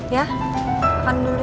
ya makan dulu ya